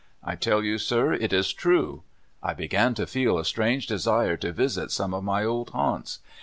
I tell you, sir, it is true ! I began to feel a strange desire to visit some of my old haunts.